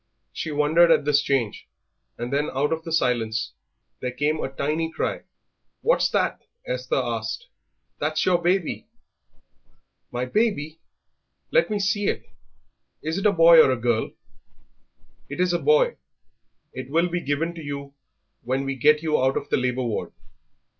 She wondered at this change, and then out of the silence there came a tiny cry. "What's that?" Esther asked. "That's your baby." "My baby! Let me see it; is it a boy or a girl?" "It is a boy; it will be given to you when we get you out of the labour ward."